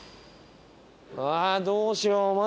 どうしよう。